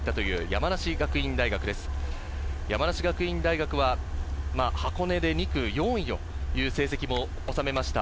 山梨学院大学は箱根で２区４位という成績も収めました。